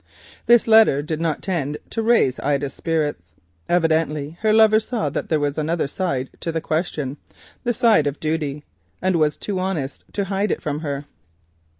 This letter did not tend to raise Ida's spirits. Evidently her lover saw that there was another side to the question—the side of duty, and was too honest to hide it from her.